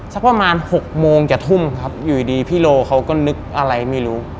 สักประมาณ๖โมงจะทุ่มครับอยู่ดีพี่โลเขาก็นึกอะไรไม่รู้